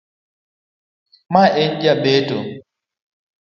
Ma en jabeto.